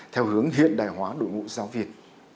theo hướng hiện đại hóa đội ngũ giáo viên